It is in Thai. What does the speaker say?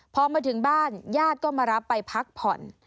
พอมาถึงบ้านญาติก็มารับไปพักผ่อน